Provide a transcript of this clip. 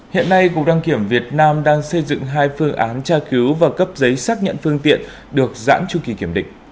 hiện nay cục đăng kiểm việt nam đang xây dựng hai phương án tra cứu và cấp giấy xác nhận phương tiện được giãn tru kỳ kiểm định